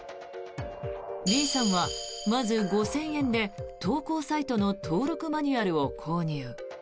Ｂさんはまず５０００円で投稿サイトの登録マニュアルを購入。